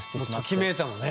ときめいたのね。